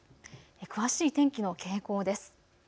詳しい天気の傾向です。